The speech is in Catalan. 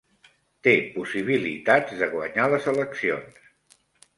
Té possibilitats de guanyar les eleccions.